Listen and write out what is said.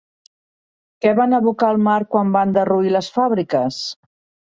Què van abocar al mar quan van derruir les fàbriques?